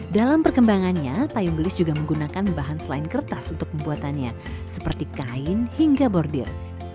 dalam perkembangannya payung gelis juga menggunakan bahan selain kertas untuk pembuatannya seperti kain hingga bordir